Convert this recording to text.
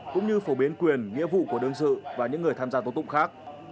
cũng như phổ biến quyền nghĩa vụ của đương sự và những người tham gia tố tụng khác